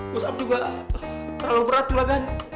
push up juga terlalu berat juga kan